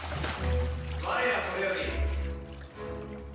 我らこれより本領